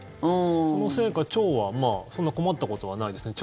そのせいか、腸はそんなに困ったことはないですね